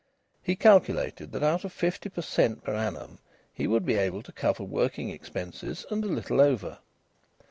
He calculated that out of 50 per cent. per annum he would be able to cover working expenses and a little over.